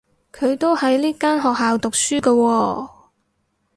佢都喺呢間學校讀書㗎喎